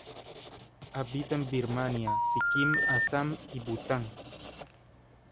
Habita en Birmania, Sikkim, Assam y Bután.